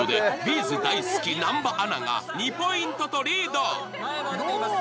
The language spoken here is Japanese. ’ｚ大好き南波アナが２ポイントとリード。